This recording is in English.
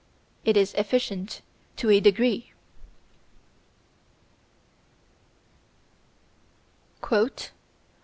It is efficient to a degree.